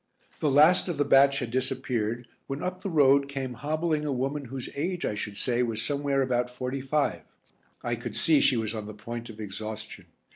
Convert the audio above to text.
The last of the batch had disappeared when up the road came hobbling a woman whose age I should say was somewhere about forty five. I could see she was on the point of exhaustion.